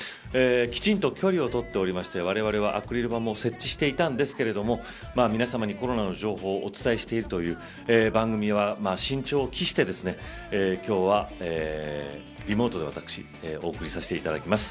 きちんと距離を取っておりましてわれわれはアクリル板も設置していたんですけれども皆さまにコロナの情報をお伝えしているという番組は慎重を喫して今日は、リモートで私、お送りさせていただきます。